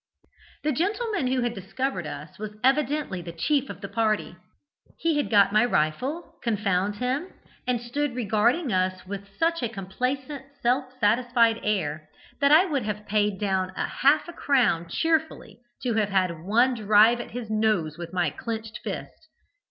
"The gentleman who had discovered us was evidently the chief of the party. He had got my rifle, confound him, and stood regarding us with such a complacent, self satisfied air that I would have paid down half a crown cheerfully to have had one drive at his nose with my clenched fist.